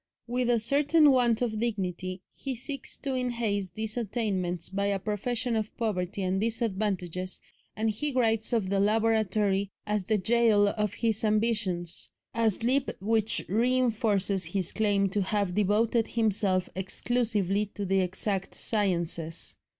With a certain want of dignity he seeks to enhance these attainments by a profession of poverty and disadvantages, and he writes of the laboratory as the "gaol" of his ambitions, a slip which reinforces his claim to have devoted himself exclusively to the exact sciences.